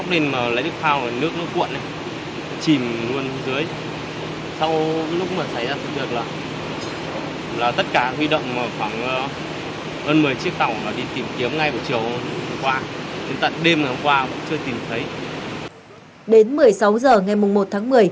đến một mươi sáu h ngày một tháng một mươi